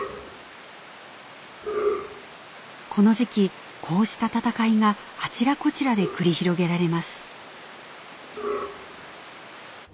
この時期こうした戦いがあちらこちらで繰り広げられます。